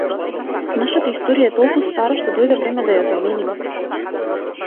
Нашата историја е толку стара што дојде време да ја замениме.